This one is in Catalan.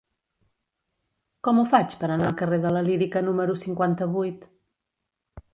Com ho faig per anar al carrer de la Lírica número cinquanta-vuit?